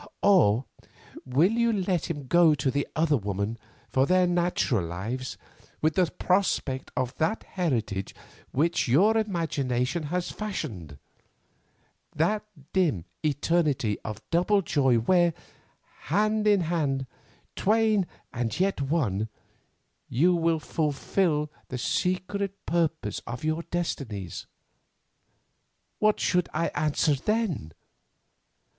Or will you let him go to the other woman for their natural lives with the prospect of that heritage which your imagination has fashioned; that dim eternity of double joy where, hand in hand, twain and yet one, you will fulfil the secret purpose of your destinies?' "What should I answer then?